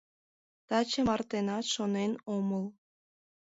Таче мартенат шонен омыл.